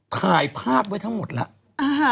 ถ่ายภาพไว้ทั้งหมดแล้ว